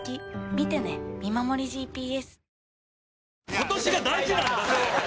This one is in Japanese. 今年が大事なんだって！